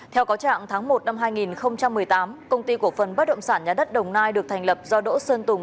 theo cáo trạng tháng một năm hai nghìn một mươi tám công ty cổ phần bất động sản nhà đất đồng nai được thành lập do đỗ sơn tùng